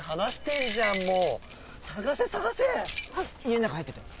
家ん中入ってったよ。